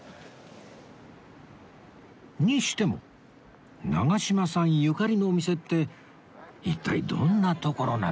にしても長嶋さんゆかりのお店って一体どんな所なんですかね？